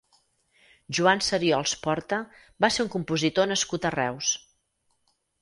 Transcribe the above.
Joan Sariols Porta va ser un compositor nascut a Reus.